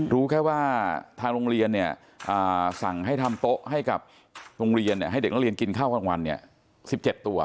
รู้แค่ว่าทางโรงเรียนสั่งให้ทำโต๊ะให้กับโรงเรียนให้เด็กนักเรียนกินข้าวกลางวัน๑๗ตัว